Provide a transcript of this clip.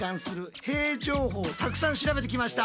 たくさん調べてきました！